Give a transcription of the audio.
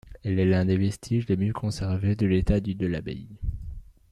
Elle est l'un des vestiges les mieux conservé de l'état du de l'abbaye.